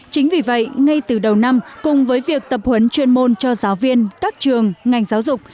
chính vì vậy ngay từ đầu năm cùng với việc tập huấn chuyên môn cho giáo viên các trường ngành giáo dục